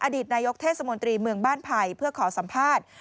อดีตนายกเทศมนตรีเมืองบ้านไผ่เพื่อขอสัมภาษณ์